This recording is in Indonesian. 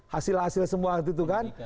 hasil hasil semua waktu itu kan